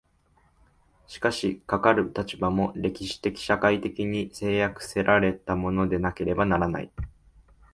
しかしかかる立場も、歴史的社会的に制約せられたものでなければならない。